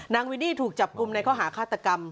นางวินดี้ถูกจับปุ่มในข้าวคาตกรรม